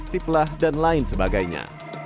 siplah dan lain sebagainya